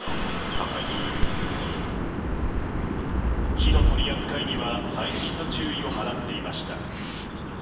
火の取り扱いには細心の注意を払っていました。